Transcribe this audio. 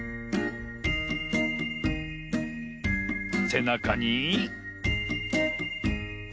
せなかに。